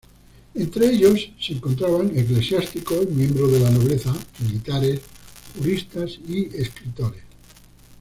Entre ellos se encontraban eclesiásticos, miembros de la nobleza, militares, juristas y escritores.